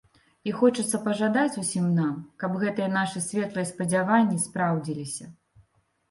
І хочацца пажадаць усім нам, каб гэтыя нашыя светлыя спадзяванні спраўдзіліся.